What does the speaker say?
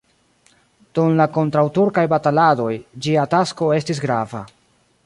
Dum la kontraŭturkaj bataladoj ĝia tasko estis grava.